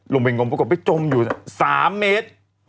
ลงไปงมปรากฏไปจมอยู่๓เมตร